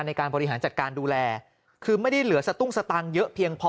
ในการบริหารจัดการดูแลคือไม่ได้เหลือสตุ้งสตางค์เยอะเพียงพอ